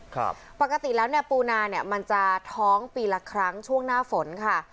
ปกติแล้วเนี่ยปูนาเนี่ยมันจะท้องปีละครั้งช่วงหน้าฝนค่ะ